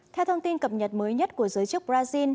theo thông tin cập nhật mới nhất của giới chức brazil